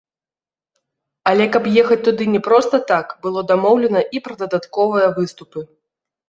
Але каб ехаць туды не проста так, было дамоўлена і пра дадатковыя выступы.